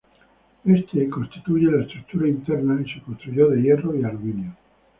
Este constituye la estructura interna y se construyó de hierro y aluminio.